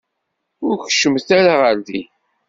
Ur keččmet ara ɣer din.